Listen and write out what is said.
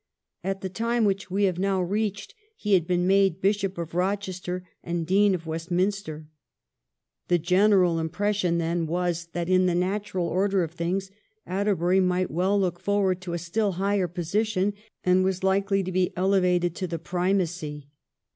At the time which we have now reached he had been made Bishop of Eochester and Dean of Westminster. The general impression then was that in the natural order of things Atterbury might well look forward to a still higher position, and was likely to be elevated to the primacy.